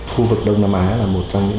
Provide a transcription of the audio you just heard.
khu vực đông nam á là một trong những